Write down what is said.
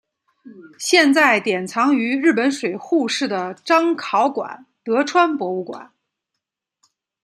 现在典藏于日本水户市的彰考馆德川博物馆。